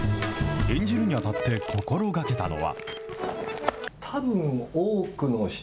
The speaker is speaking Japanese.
演じるにあたって心がけたのは。